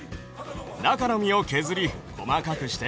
中の実を削り細かくして。